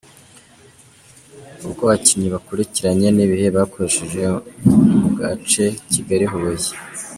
Ukoabakinnyi bakurikiranye n’ibihe bakoresheje mu gace Kigali-Huye